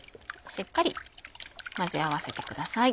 しっかり混ぜ合わせてください。